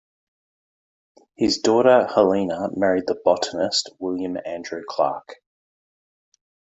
His daughter Helena married the botanist William Andrew Clark.